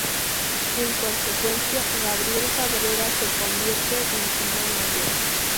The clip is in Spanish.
En consecuencia, Gabriel Cabrera se convierte en su mánager.